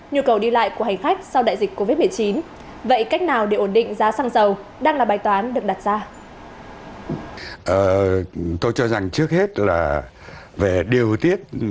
nhu cầu đi lại của hành khách sau đại dịch covid một mươi chín